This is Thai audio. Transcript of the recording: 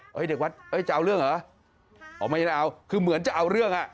เด็กวัดเอ้ยจะเอาเรื่องเหรออ๋อไม่ได้เอาคือเหมือนจะเอาเรื่องอ่ะ